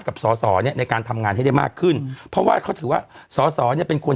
กับสอสอเนี่ยในการทำงานให้ได้มากขึ้นเพราะว่าเขาถือว่าสอสอเนี่ยเป็นคน